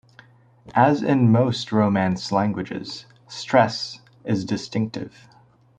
As in most Romance languages, stress is distinctive.